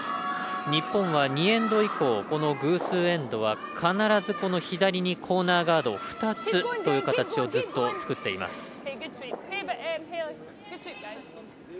日本は２エンド以降この偶数エンドは必ずこの左にコーナーガードを２つという形をずっと作っています。